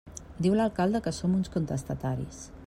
Diu l'alcalde que som uns contestataris.